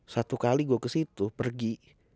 satu kali gue kesitu pergi